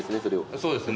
そうですね。